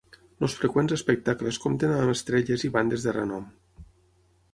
Els freqüents espectacles compten amb estrelles i bandes de renom.